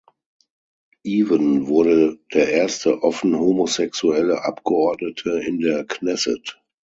Even wurde der erste offen homosexuelle Abgeordnete in der Knesset.